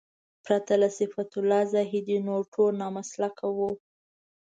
پرته له صفت الله زاهدي نور ټول نامسلکه وو.